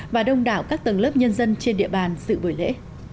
và đông đảo các tầng lớp nhân dân trên địa bàn dự bởi lễ